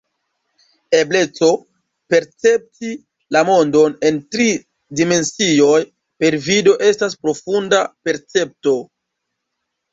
Ebleco percepti la mondon en tri dimensioj per vido estas profunda percepto.